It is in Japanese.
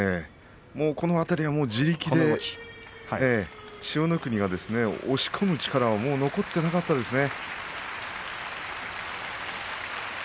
この辺りはもう自力で千代の国はもう押し込む力は残っていなかったですね。